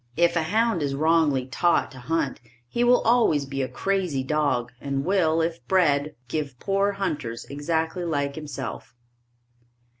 If a hound is wrongly taught to hunt he will always be a crazy dog and will, if bred, give poor hunters exactly like himself.